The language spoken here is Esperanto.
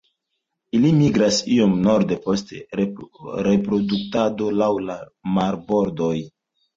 Ili migras iom norde post reproduktado laŭ la marbordoj.